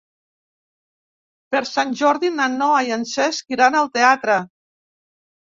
Per Sant Jordi na Noa i en Cesc iran al teatre.